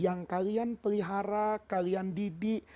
yang kalian pelihara kalian didik